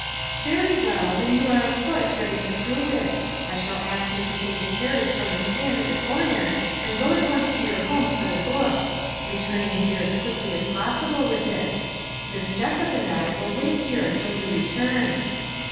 " Very well, then you are of course ready to prove it. I shall ask you to take a carriage from the stand at the corner and go at once to your home for the book; returning here as quickly as possible with it. Miss Jessup and I will wait here until you return."